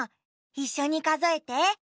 いっしょにかぞえて。